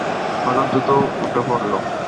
হঠাৎ দ্রুত উঠে পড়ল।